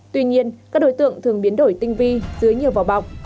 tuy nhiên các đối tượng thường biến đổi tinh vi dưới nhiều vỏ bọc